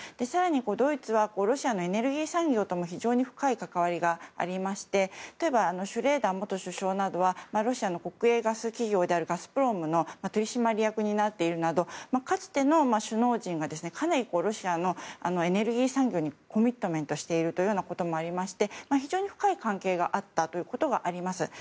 更にドイツはロシアのエネルギー産業とも非常に深い関わりがありまして例えばシュレーダー元首相などはロシアの国営ガス企業である会社の取締役になっているなどかつての首脳陣がかなりロシアのエネルギー産業にコミットメントしていることもありまして非常に深い関係にあったということがあります。